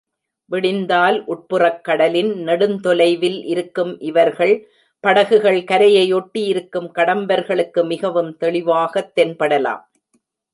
விடிந்தால் உட்புறக் கடலின் நெடுந்தொலைவில் இருக்கும் இவர்கள் படகுகள் கரையை ஒட்டி இருக்கும் கடம்பர்களுக்கு மிகவும் தெளிவாகத் தென்படலாம்.